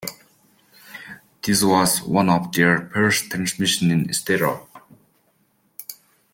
This was one of their first transmissions in stereo.